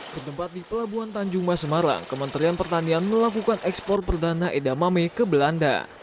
ketempat di pelabuhan tanjung masemarang kementerian pertanian melakukan ekspor perdana edamame ke belanda